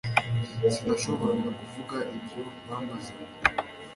Sinashoboraga kuvuga ibyo bambazaga